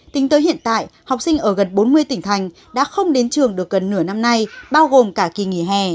tính tới hiện tại học sinh ở gần bốn mươi tỉnh thành đã không đến trường được gần nửa năm nay bao gồm cả kỳ nghỉ hè